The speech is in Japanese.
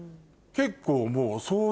結構もう。